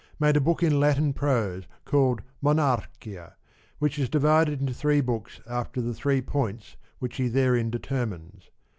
made a book in Latin prose, called Monarchia, which is divided into three books after the three points which he therein deter mines.